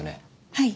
はい。